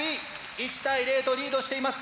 １対０とリードしています。